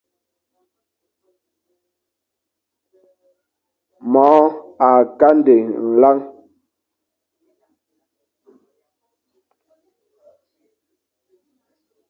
Mor a kandé nlan.